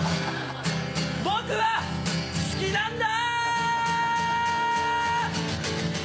僕は好きなんだ